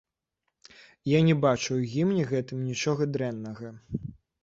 Я не бачу ў гімне гэтым нічога дрэннага.